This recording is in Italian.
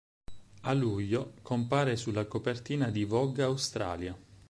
A luglio compare sulla copertina di "Vogue Australia".